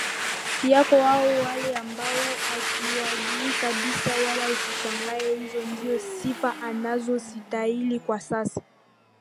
yako au wale ambao hatuwajui kabisa Wala usishangae hizo ndio sifa anazositahili kwa sasa